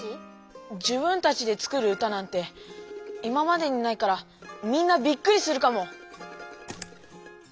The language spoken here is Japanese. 「自分たちで作る歌」なんて今までにないからみんなびっくりするかも！